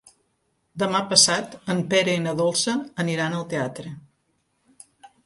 Demà passat en Pere i na Dolça aniran al teatre.